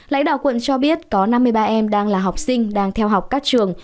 lãnh đạo quận cho biết có năm mươi ba em đang là học sinh đang theo học các trường